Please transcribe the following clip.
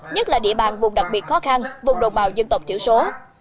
nhất là địa bàn vùng đặc biệt khó khăn vùng đồng bào dân tộc thiểu số